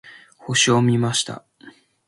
星を見ました。